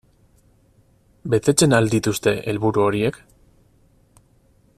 Betetzen al dituzte helburu horiek?